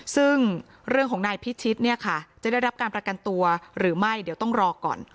ซึ่งเรื่องของนายพิชิตเนี่ยค่ะจะได้รับการประกันตัวหรือไม่เดี๋ยวต้องรอก่อน